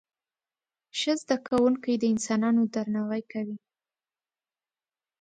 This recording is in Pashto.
ښه زده کوونکي د انسانانو درناوی کوي.